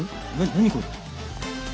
何これ？